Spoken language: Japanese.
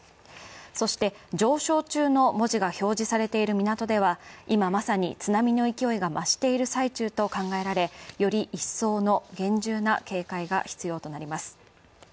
そして、上昇中の文字が表示されている港では、今まさに津波の勢いが増している最中と考えられ、より一層の厳重な警戒が必要となります。